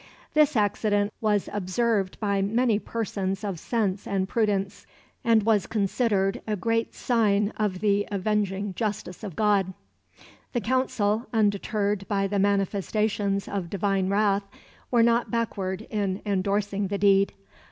"This accident was observed by many persons of sense and prudence, and was considered a great sign of the avenging justice of God." The Council, undeterred by the manifestations of divine wrath, were not backward in endorsing the deed.